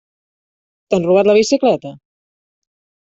T'han robat la bicicleta?